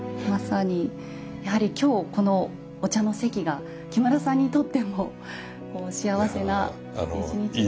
まさにやはり今日このお茶の席が木村さんにとっても幸せな一日に。